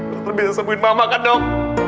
dokter biasa sembuhin mama kan dok